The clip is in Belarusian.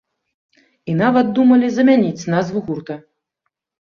І нават думалі замяніць назву гурта.